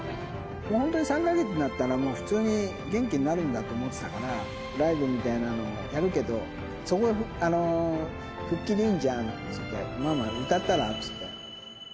本当に３か月になったら、もう普通に元気になるんだと思ってたから、ライブみたいなのをやるけど、そこ復帰でいいんじゃん？って言ってママ、歌ったら？って言って。